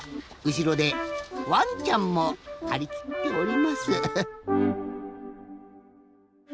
うしろでワンちゃんもはりきっております。